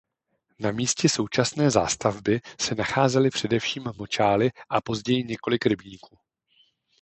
Na místě současné zástavby se nacházely především močály a později několik rybníků.